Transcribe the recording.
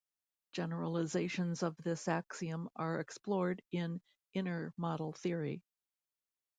Generalizations of this axiom are explored in inner model theory.